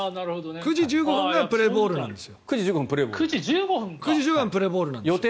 ９時１５分プレーボールなんですよ。